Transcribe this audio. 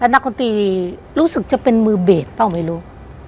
นักคลุมตีรู้สึกจะเป็นมือเบศเขาไม่รู้